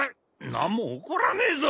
何も起こらねえぞ！